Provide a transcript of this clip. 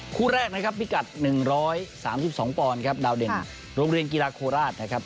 คู่แรกนะครับพิกัด๑๓๒ปอนด์ครับดาวเด่นโรงเรียนกีฬาโคราชนะครับ